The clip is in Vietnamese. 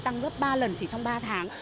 tăng lớp ba lần chỉ trong ba tháng